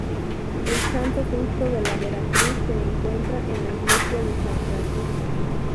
El Santo Cristo de la Veracruz se encuentra en la Iglesia de San Francisco.